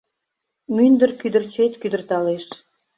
Мӱндыр кӱдырчет кӱдырталеш